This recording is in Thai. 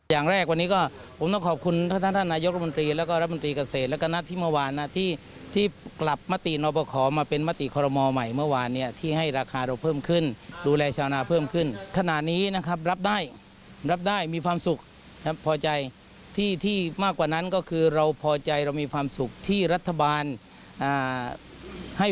อย่างแรกวันนี้ก็ผมต้องขอบคุณท่านท่านนายกรมนตรีแล้วก็รัฐมนตรีเกษตรแล้วก็นัดที่เมื่อวานนะที่กลับมตินอบขอมาเป็นมติคอรมอลใหม่เมื่อวานเนี่ยที่ให้ราคาเราเพิ่มขึ้นดูแลชาวนาเพิ่มขึ้นขณะนี้นะครับรับได้รับได้มีความสุขนะครับพอใจที่ที่มากกว่านั้นก็คือเราพอใจเรามีความสุขที่รัฐบาลให้